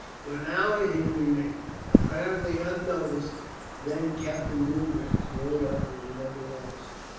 For an hour he remained, apparently unnoticed, then Captain Wingratz rode up with another officer.